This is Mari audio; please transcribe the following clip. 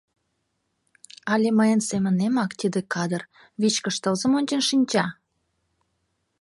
Але мыйын семынемак тиде кадыр, вичкыж тылзым ончен шинча?..»